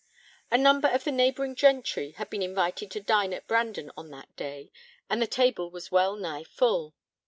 A number of the neighbouring gentry had been invited to dine at Brandon on that day, and the table was well nigh full.